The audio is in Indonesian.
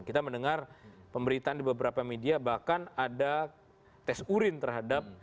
kita mendengar pemberitaan di beberapa media bahkan ada tes urin terhadap